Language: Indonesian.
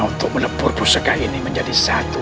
untuk menempur pusaka ini menjadi satu